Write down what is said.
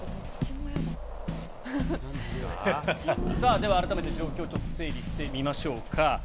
では改めて状況をちょっと整理してみましょうか。